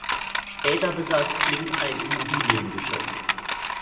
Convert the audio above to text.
Später besaß Klink ein Immobiliengeschäft.